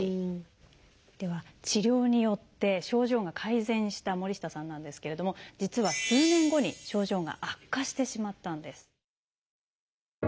では治療によって症状が改善した森下さんなんですけれども実は数年後に症状が悪化してしまったんです。